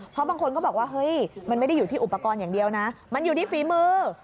เพราะบางคนก็บอกว่าเฮ้ยมันไม่ได้อยู่ที่อุปกรณ์อย่างเดียวนะมันอยู่ที่ฝีมือ